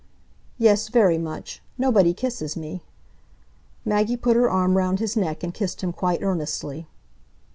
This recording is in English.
"Yes, very much; nobody kisses me." Maggie put her arm round his neck and kissed him quite earnestly.